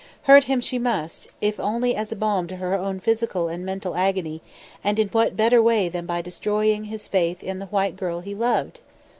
Hurt him she must, if only as a balm to her own physical and mental agony; and in what better way than by destroying his faith in the white girl he loved?